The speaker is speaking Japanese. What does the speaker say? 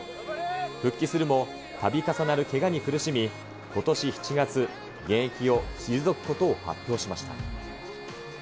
復帰するも、たび重なるけがに苦しみ、ことし７月、現役を退くことを発表しました。